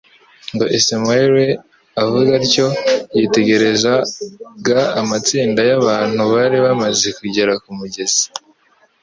ngo isamrwe.» Avuga atyo yitegerezaga amatsinda y'abantu bari bamaze kugera ku mugezi.